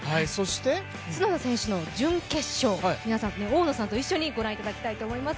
角田選手の準決勝、大野さんと一緒にご覧いただきたいと思います。